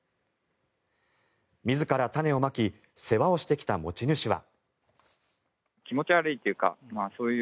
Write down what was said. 自ら種をまき世話をしてきた持ち主は。